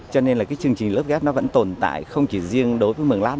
cho nên là chương trình lớp ghép vẫn tồn tại không chỉ riêng đối với mường lát